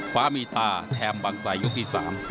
ฟ้ามีตาแถมบางไซยกที่๓